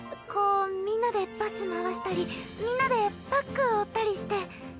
こうみんなでパス回したりみんなでパック追ったりして。